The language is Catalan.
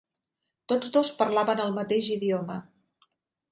Tots dos parlaven el mateix idioma.